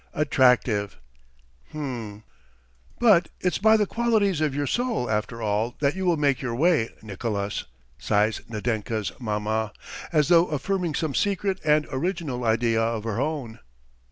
Attractive! h'm! "But it's by the qualities of your soul, after all, that you will make your way, Nicolas," sighs Nadenka's mamma, as though affirming some secret and original idea of her own.